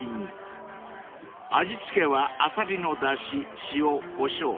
［味付けはアサリのだし塩こしょう